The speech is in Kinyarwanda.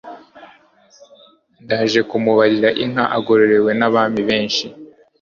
Ndaje kumubarira inka Agororewe n'Abami benshi,